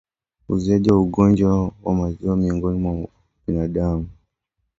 Uzuiaji wa ugonjwa wa maziwa miongoni mwa binadamu